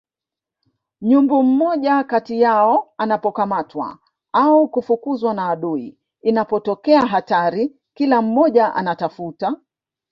Nyumbu mmoja kati yao anapokamatwa au kufukuzwa na adui inapotokea hatari kila mmoja anatafuta